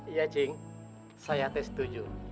iya cing saya setuju